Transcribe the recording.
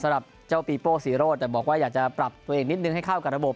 สำหรับเจ้าปีโป้ศรีโรธแต่บอกว่าอยากจะปรับตัวเองนิดนึงให้เข้ากับระบบ